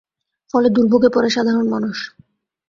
ফলে দুর্ভোগে পড়ে সাধারণ মানুষ।